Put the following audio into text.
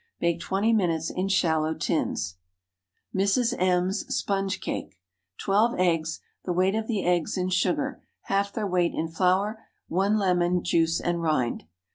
Bake twenty minutes in shallow tins. MRS. M.'S SPONGE CAKE. ✠ 12 eggs. The weight of the eggs in sugar. Half their weight in flour. 1 lemon, juice and rind.